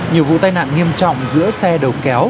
nhiều vụ tai nạn nghiêm trọng giữa xe đầu kéo